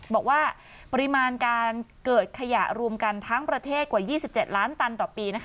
บอกว่าปริมาณการเกิดขยะรวมกันทั้งประเทศกว่า๒๗ล้านตันต่อปี